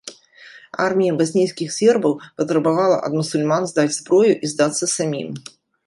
Армія баснійскіх сербаў патрабавала ад мусульман здаць зброю і здацца самім.